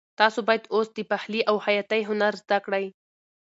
تاسو باید اوس د پخلي او خیاطۍ هنر زده کړئ.